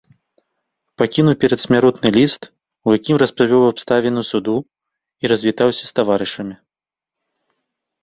Пакінуў перадсмяротны ліст, у якім распавёў абставіны суду і развітаўся з таварышамі.